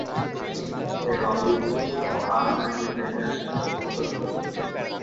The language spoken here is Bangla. সে রন উইজলি ও হারমায়োনি গ্রেঞ্জার এর সাথে বন্ধুত্ব গড়ে তোলে।